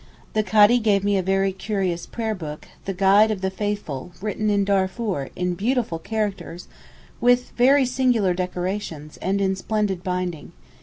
The Kadee gave me a very curious prayer book, the Guide of the Faithful, written in Darfour! in beautiful characters, and with very singular decorations, and in splendid binding.